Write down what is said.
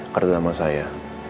kartu sama saya